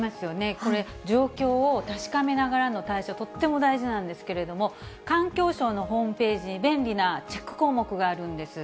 これ、状況を確かめながらの対処、とっても大事なんですけれども、環境省のホームページに便利なチェック項目があるんですね。